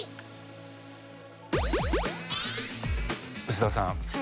臼田さん